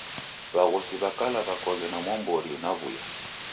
W'aghosi w'a kala w'ekoghe na mwambori na w'uya